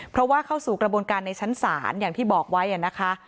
เพราะว่าเข้าสู่กระบวนการในชั้นศาลอย่างที่บอกไว้นะคะ